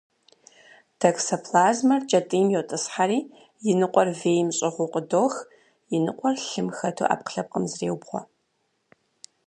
Токсоплазмэр кӏэтӏийм йотӏысхьэри, и ныкъуэр вейм щӏыгъуу къыдох, и ныкъуэр лъым хэту ӏэпкълъэпкъым зреубгъуэ.